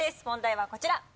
問題はこちら。